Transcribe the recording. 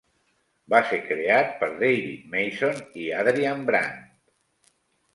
Va ser creat per David Mason i Adrian Brant.